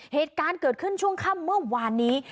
เหตุการณ์เกิดขึ้นช่วงค่ำเมื่อวานนี้